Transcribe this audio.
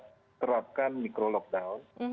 yang diterapkan mikro lockdown